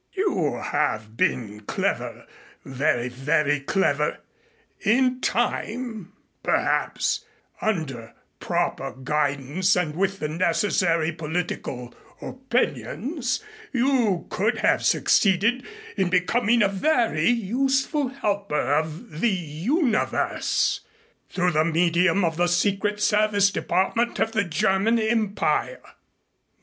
You have been clever very, very clever. In time, perhaps, under proper guidance and with the necessary political opinions, you could have succeeded in becoming a very useful helper of the Universe, through the medium of the Secret Service Department of the German Empire.